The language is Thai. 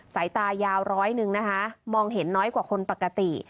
สายตายาวร้อยหนึ่งนะคะมองเห็นน้อยกว่าคนปกติ